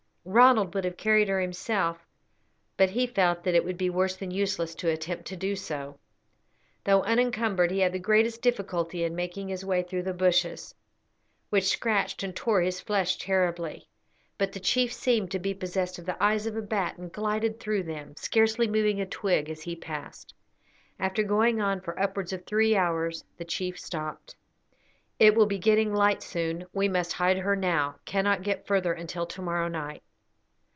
Ronald would have carried her himself, but he felt that it would be worse than useless to attempt to do so. Though unencumbered, he had the greatest difficulty in making his way through the bushes, which scratched and tore his flesh terribly; but the chief seemed to be possessed of the eyes of a bat, and glided through them, scarcely moving a twig as he passed. After going on for upwards of three hours, the chief stopped. "It will be getting light soon. We must hide her now. Cannot get further until to morrow night."